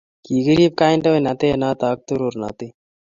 Kikirib kandoindet noto ak torornatet